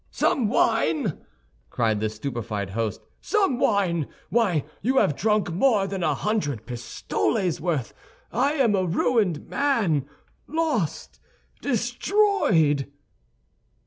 "Some wine!" cried the stupefied host, "some wine? Why you have drunk more than a hundred pistoles' worth! I am a ruined man, lost, destroyed!"